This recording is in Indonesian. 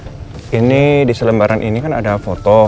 nah ini di selembaran ini kan ada foto